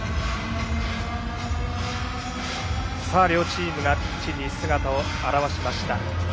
両チームがピッチに姿を現しました。